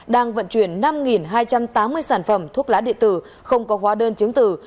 đang vận chuyển năm hai trăm tám mươi sản phẩm thuốc lá địa tử không có hóa đơn chứng tử